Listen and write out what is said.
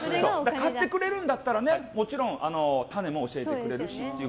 買ってくれるんだったらもちろんタネも教えてくれると。